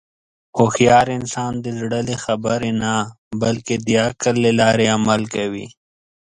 هوښیار انسان د زړه له خبرې نه، بلکې د عقل له لارې عمل کوي.